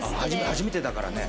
初めてだからね。